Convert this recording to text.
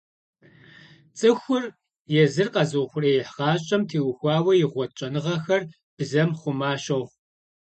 ЦӀыхур езыр къэзыухъуреихь гъащӀэм теухуауэ игъуэт щӀэныгъэхэр бзэм хъума щохъу.